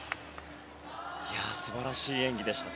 素晴らしい演技でした。